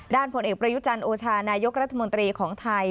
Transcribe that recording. ผลเอกประยุจันทร์โอชานายกรัฐมนตรีของไทย